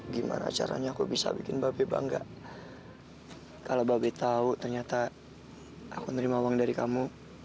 gimana caranya aku bisa bikin babi bangga kalau bape tahu ternyata aku menerima uang dari kamu